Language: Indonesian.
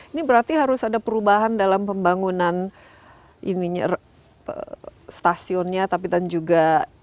ini berarti harus ada perubahan dalam pembangunan stasiunnya tapi dan juga